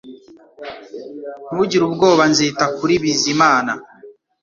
Ntugire ubwoba Nzita kuri Bizimana